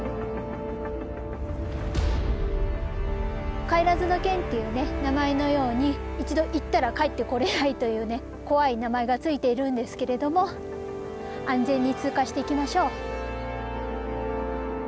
不帰ノ嶮っていうね名前のように一度行ったら帰ってこれないというね怖い名前が付いているんですけれども安全に通過していきましょう。